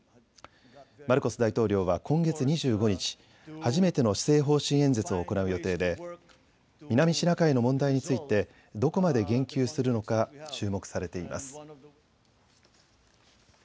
マルコス大統領は今月２５日、初めての施政方針演説を行う予定で、南シナ海の問題についてどこまで言及するのか注目されています。